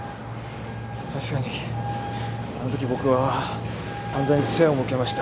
確かにあの時僕は犯罪に背を向けました。